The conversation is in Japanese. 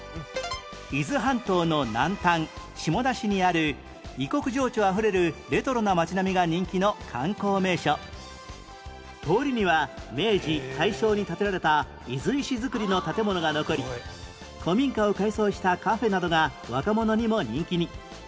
伊豆半島の南端下田市にある異国情緒あふれるレトロな街並みが人気の観光名所通りには明治大正に建てられた伊豆石造りの建物が残り古民家を改装したカフェなどが若者にも人気に